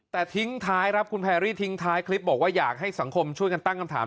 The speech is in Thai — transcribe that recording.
แต่ทิ้งท้ายครับคุณแพรรี่ทิ้งท้ายคลิปบอกว่าอยากให้สังคมช่วยกันตั้งคำถาม